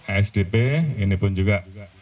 asdp ini pun juga